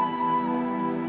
tuhan semesta alam